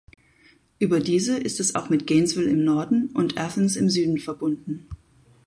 Über diese ist es auch mit Gainesville im Norden und Athens im Süden verbunden.